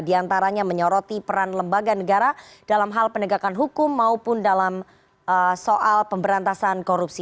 diantaranya menyoroti peran lembaga negara dalam hal penegakan hukum maupun dalam soal pemberantasan korupsi